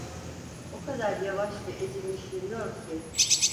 O kadar yavaş ve ezilmiş yürüyor ki…